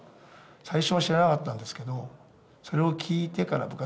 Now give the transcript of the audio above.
「最初は知らなかったんですけどそれを聞いてから」